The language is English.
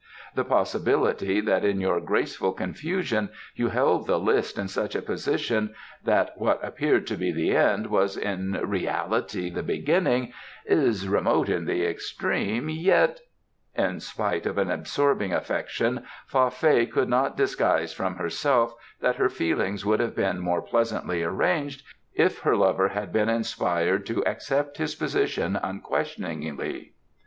... The possibility that in your graceful confusion you held the list in such a position that what appeared to be the end was in reality the beginning is remote in the extreme, yet " In spite of an absorbing affection Fa Fei could not disguise from herself that her feelings would have been more pleasantly arranged if her lover had been inspired to accept his position unquestioningly.